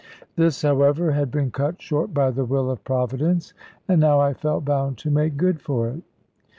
This however had been cut short by the will of Providence; and now I felt bound to make good for it.